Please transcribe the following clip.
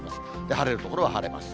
晴れる所は晴れます。